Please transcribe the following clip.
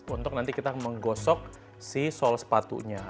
untuk nanti kita menggosok si sol sepatunya